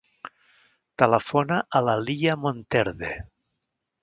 Telefona a la Lia Monterde.